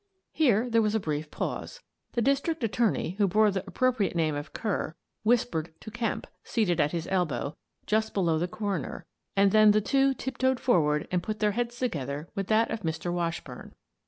Here there was a brief pause. The district attor ney, who bore the appropriate name of Kerr, whis pered to Kemp, seated at his elbow, just below the coroner, and then the two tiptoed forward and put their heads together with that of Mr. Washburn.